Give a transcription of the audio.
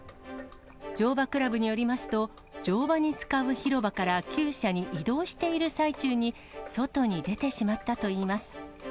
乗馬クラブによりますと、乗馬に使う広場からきゅう舎に移動している最中に、外に出てしまったといいます。